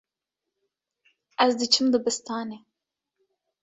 Ez diçim dibistanê.